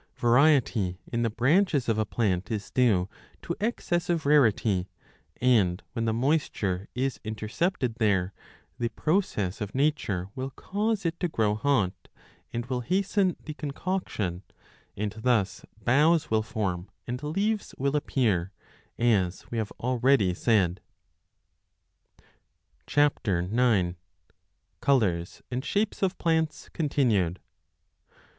Variety in the branches of a plant is due to excessive rarity, and, when the moisture is intercepted there, the process of nature will cause it to grow hot and will hasten the concoction, 3 and thus boughs will form and leaves will appear, as we have already said.